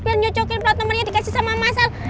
biar nyocokin pelat pelat nomernya dikasih sama masal